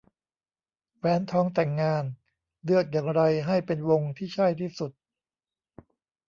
แหวนทองแต่งงาน เลือกอย่างไรให้เป็นวงที่ใช่ที่สุด